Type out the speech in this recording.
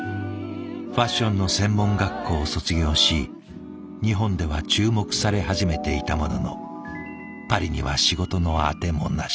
ファッションの専門学校を卒業し日本では注目され始めていたもののパリには仕事の当てもなし。